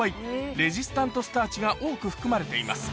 レジスタントスターチが多く含まれています